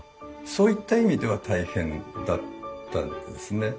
そういった意味では大変だったですね。